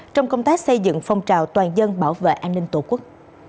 trong công tác xây dựng phong trào toàn dân bảo vệ an ninh tổ quốc